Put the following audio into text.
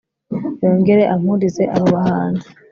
yongere ampurize abo bahanzi